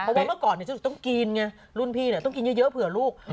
เพราะว่าเมื่อก่อนฉันต้องกินไงรุ่นพี่ต้องกินเยอะเผื่อลูก